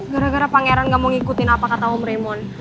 gara gara pangeran gak mau ngikutin apa kata om remon